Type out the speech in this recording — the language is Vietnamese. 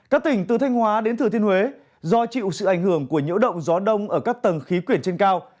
các tỉnh từ thanh hóa đến thừa thiên huế do chịu sự ảnh hưởng của nhiễu động gió đông ở các tầng khí quyển trên cao